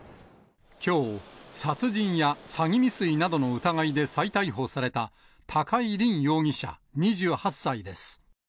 きょう、殺人や詐欺未遂などの疑いで再逮捕された、高井凜容疑者２８歳です。